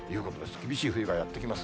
厳しい冬がやってきます。